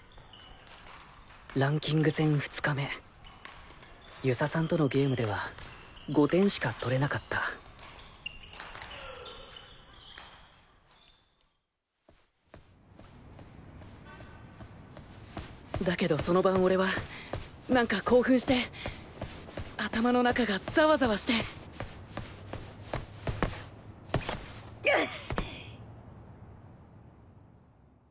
ランキング戦２日目遊佐さんとのゲームでは５点しか取れなかっただけどその晩俺はなんか興奮して頭の中がザワザワしてぐっ！